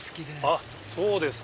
あぁそうですか。